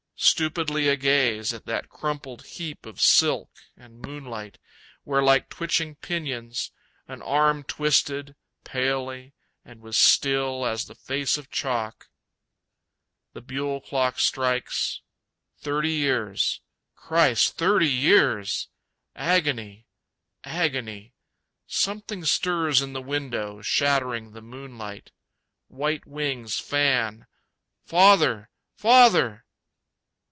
Stupidly agaze At that crumpled heap of silk and moonlight, Where like twitching pinions, an arm twisted, Palely, and was still As the face of chalk. The buhl clock strikes. Thirty years. Christ, thirty years! Agony. Agony. Something stirs in the window, Shattering the moonlight. White wings fan. Father, Father!